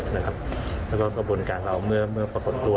แล้วก็กระบวนการเราเมื่อปรากฏตัว